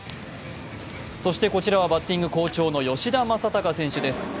そして、こちらはバッティング好調の吉田正尚選手です。